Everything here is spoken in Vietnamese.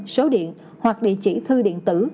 số điện hoặc địa chỉ thư điện tử